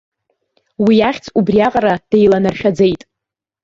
Уи ахьӡ убриаҟара деиланаршәаӡеит.